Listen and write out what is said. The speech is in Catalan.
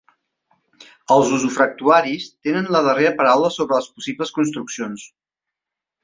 Els usufructuaris tenen la darrera paraula sobre les possibles construccions.